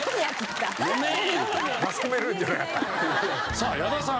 さあ矢田さん。